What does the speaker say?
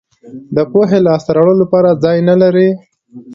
د پوهې لاسته راوړلو لپاره ځای نه لرئ.